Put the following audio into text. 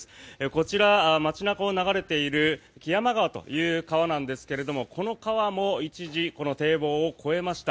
こちら、町中を流れている木山川という川なんですがこの川も一時、堤防を越えました。